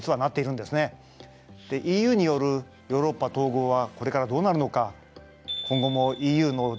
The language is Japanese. でＥＵによるヨーロッパ統合はこれからどうなるのか。